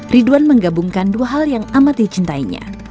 ridwan menggabungkan dua hal yang amat dicintainya